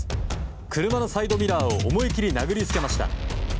車のサイドミラーを思いきり殴りつけました。